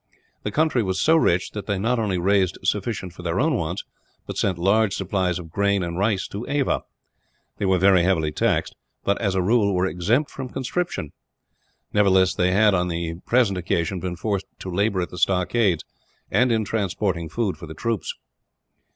The country was so rich that they not only raised sufficient for their own wants, but sent large supplies of grain and rice to Ava. They were very heavily taxed but, as a rule, were exempt from conscription. Nevertheless they had, on the present occasion, been forced to labour at the stockades, and in transporting food for the troops.